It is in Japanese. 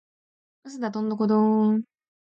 嘘だドンドコドーン！